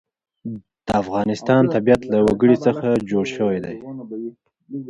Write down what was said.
د افغانستان طبیعت له وګړي څخه جوړ شوی دی.